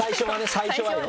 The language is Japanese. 最初はよ。